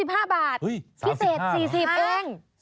โอ้โฮ๓๕บาทครับพี่เศษ๔๐บาทเอง